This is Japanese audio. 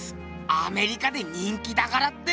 アメリカで人気だからって！